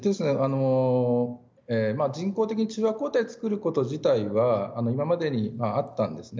人工中和抗体を作ること自体は今までにもあったんですね。